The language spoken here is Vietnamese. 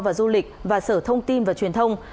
và du lịch và sở thông tin và truyền thông